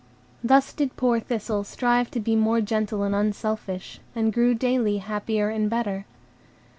Thus did poor Thistle strive to be more gentle and unselfish, and grew daily happier and better.